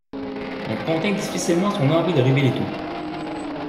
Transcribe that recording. Elle contint difficilement son envie de révéler tout.